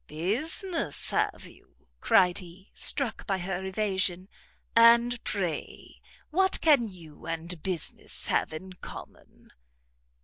"Business, have you?" cried he, struck by her evasion; "and pray what can you and business have in common?"